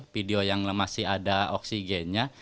video yang masih ada oksigennya